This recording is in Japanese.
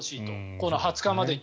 この２０日までに。